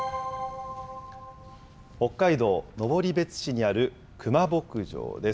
北海道登別市にあるクマ牧場です。